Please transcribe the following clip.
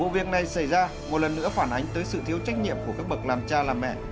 vụ việc này xảy ra một lần nữa phản ánh tới sự thiếu trách nhiệm của các bậc làm cha làm mẹ